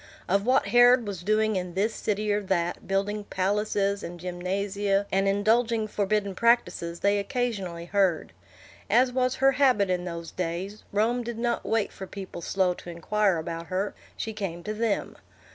Of what Herod was doing in this city or that, building palaces and gymnasia, and indulging forbidden practises, they occasionally heard. As was her habit in those days, Rome did not wait for people slow to inquire about her; she came to them.